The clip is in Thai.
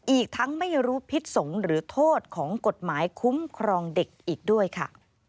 อีกทั้งไม่รู้พิษสงฆ์หรือโทษของกฎหมายคุ้มครองเด็กอีกด้วยค่ะ